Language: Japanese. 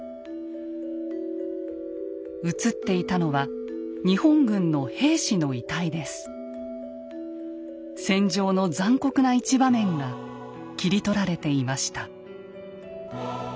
写っていたのは日本軍の戦場の残酷な一場面が切り取られていました。